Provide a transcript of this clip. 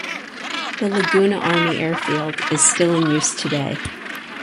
The Laguna Army Airfield is still in use today.